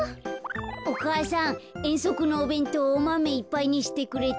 お母さんえんそくのおべんとうおマメいっぱいにしてくれた？